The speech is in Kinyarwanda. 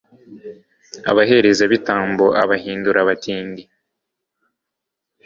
abaherezabitambo abahindura abatindi